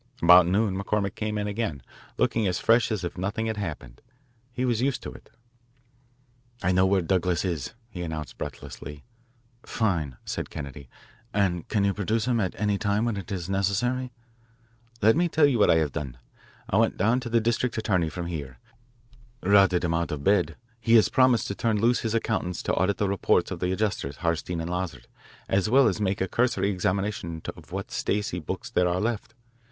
About noon McCormick came in again, looking as fresh as if nothing had happened. He was used to it. "I know where Douglas is," he announced breathlessly. "Fine," said Kennedy, "and can you produce him at any time when it is necessary?" "Let me tell you what I have done. I went down to the district attorney from here routed him out of bed. He has promised to turn loose his accountants to audit the reports of the adjusters, Hartstein and Lazard, as well as to make a cursory examination of what Stacey books there are left.